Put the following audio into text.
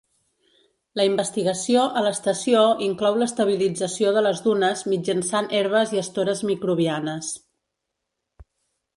La investigació a l'estació inclou l'estabilització de les dunes mitjançant herbes i estores microbianes.